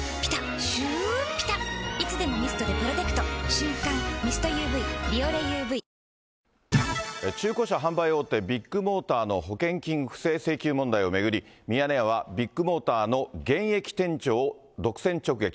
瞬感ミストＵＶ「ビオレＵＶ」中古車販売大手、ビッグモーターの保険金不正請求問題を巡り、ミヤネ屋は、ビッグモーターの現役店長を独占直撃。